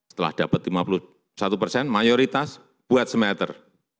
setelah dapat lima puluh satu persen mayoritas buat smelter